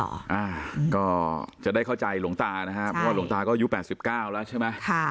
อ่าก็จะได้เข้าใจหลวงตานะฮะเพราะว่าหลวงตาก็อายุแปดสิบเก้าแล้วใช่ไหมค่ะ